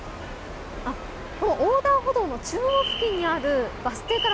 横断歩道の中央付近にあるバス停から